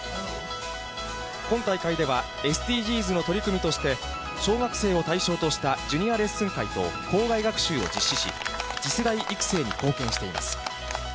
今大会ではＳＤＧｓの取り組みとして、小学生を対象としたジュニアレッスン会と校外学習を実施し、次世代育成に貢献しています。